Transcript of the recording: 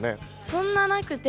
そんななくて。